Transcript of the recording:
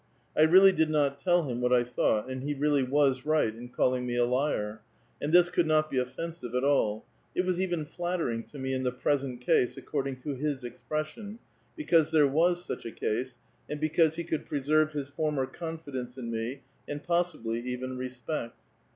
I really did not tell him what I thought, and 'he really was right in calling me a liar; and this could not be offensive at all ; it was even flattering to me, " in the present case," according to his expression, because there was such a case, and because he could pre serve his former confidence in me, and possibly even respect.